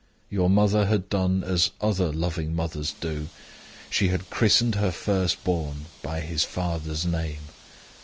Your mother had done as other loving mothers do she had christened her first born by his father's name.